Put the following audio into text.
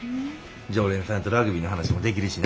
常連さんとラグビーの話もできるしな。